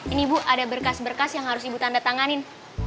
ini bu ada berkas berkas yang harus ibu tanda tanganin